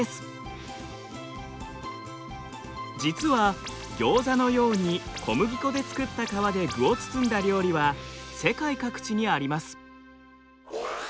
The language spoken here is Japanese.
実はギョーザのように小麦粉で作った皮で具を包んだ料理は世界各地にあります。